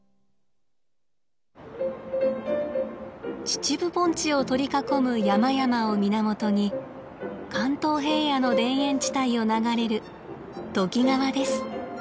秩父盆地を取り囲む山々を源に関東平野の田園地帯を流れる都幾川です。